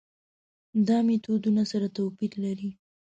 دا میتودونه سره توپیر لري.